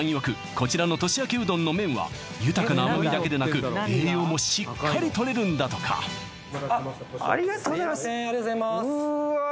こちらの年明けうどんの麺は豊かな甘みだけでなく栄養もしっかりとれるんだとかお待たせしましたこちらですすいません